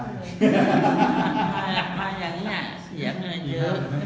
ไม่เสียนะ